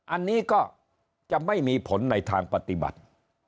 อันนี้ก็จะไม่มีผลในทางปฏิบัติ